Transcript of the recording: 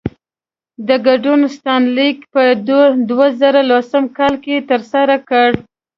د ګډون ستاینلیک يې په دوه زره دولسم کال کې ترلاسه کړ.